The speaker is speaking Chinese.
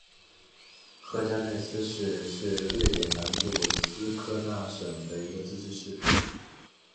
赫加奈斯市是瑞典南部斯科讷省的一个自治市。